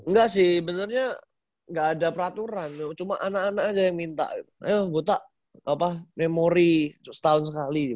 enggak sih benernya gak ada peraturan cuma anak anak aja yang minta ayo buta memori setahun sekali